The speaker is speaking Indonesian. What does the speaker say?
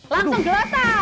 langsung gelosor yuk